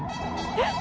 えっ！